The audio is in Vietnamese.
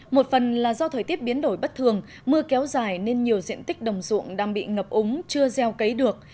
một phần là do thời tiết biến đổi bất thường mưa kéo dài nên nhiều diện tích đồng ruộng đang bị ngập úng chưa gieo cấy được